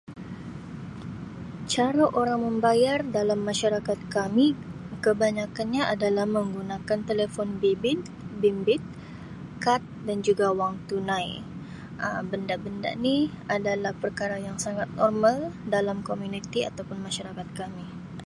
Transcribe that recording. Cara orang membayar dalam masyarakat kami kebanyakan nya adalah menggunakan telefon bibib-bimbit, kad dan juga wang tunai Um benda-benda ni adalah perkara yang sangat normal dalam komuniti atau pun masyarakat kami.